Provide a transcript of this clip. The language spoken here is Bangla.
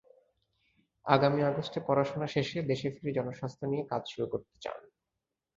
আগামী আগস্টে পড়াশোনা শেষে দেশে ফিরে জনস্বাস্থ্য নিয়ে কাজ শুরু করতে চান।